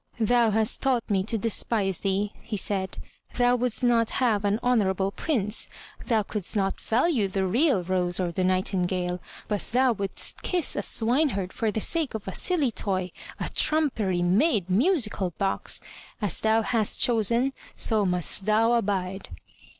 "Thou hast taught me to despise thee," he said. "Thou wouldst not have an honourable prince; thou couldst not value the real rose or the nightingale, but thou wouldst kiss a swine herd for the sake of a silly toy, a trumpery made musical box! As thou hast chosen, so must thou abide!"